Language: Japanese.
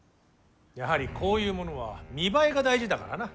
やはり、こういうものは見栄えが大事だからな。